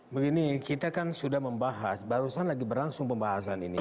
begini kita kan sudah membahas barusan lagi berlangsung pembahasan ini